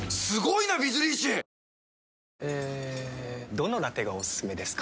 どのラテがおすすめですか？